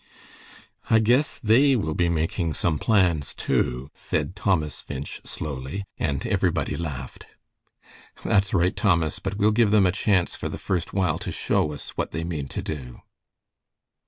"I guess they will be making some plans, too," said Thomas Finch, slowly, and everybody laughed. "That's quite right, Thomas, but we'll give them a chance for the first while to show us what they mean to do."